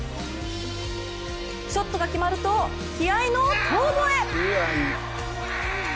ショットが決まると気合いの遠ぼえ！